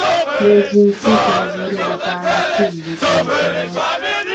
د جنسي کمزوری لپاره کوم بوټی وکاروم؟